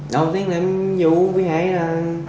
đầu tiên là em vụ vụ hại là